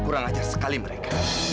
kurang ajar sekali mereka